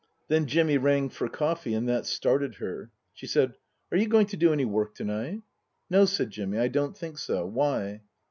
Then Jimmy rang for coffee, and that started her. She said, " Are you going to do any work to night ?"" No," said Jimmy, " I don't think so. Why